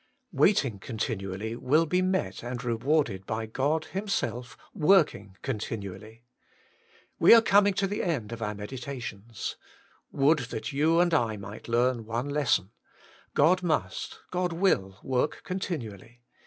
Waiting continually will be met and rewarded by God Himself working continually, We are WAITING ON GOD/ ^ 143 coming to the end of our meditations. Would that you and I might learn one lesson : God must, God will work continually.